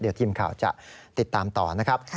เดี๋ยวทีมข่าวจะติดตามต่อนะครับ